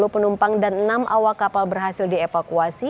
sepuluh penumpang dan enam awak kapal berhasil dievakuasi